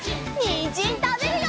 にんじんたべるよ！